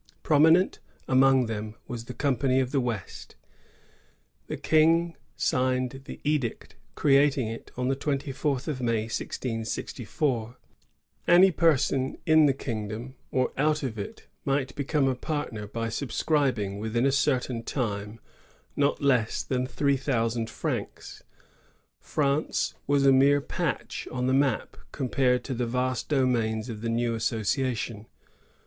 Prominent among them was f the Company of the West. The King signed the edict creating it on the twenty fourth of May, 1664. Any person in the kingdom or out of it might become a partner by subscribing, within a certain time, not less than three thousand francs. France was a mere patch on the map, compared to the vast domains of the new association.